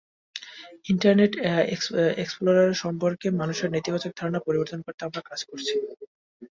Internet Explorer সম্পর্কে মানুষের নেতিবাচক ধারণা পরিবর্তন করতে আমরা কাজ করছি।